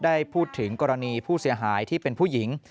ได้พูดถึงกรณีผู้เสียหายที่เป็นผู้หญิง